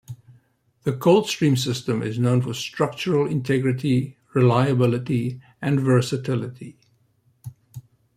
The cold stream system is known for structural integrity, reliability, and versatility.